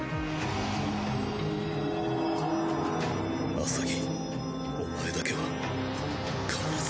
アサギお前だけは必ず。